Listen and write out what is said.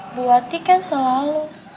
ibu wati kan selalu